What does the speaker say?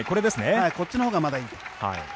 こっちのほうがまだいい。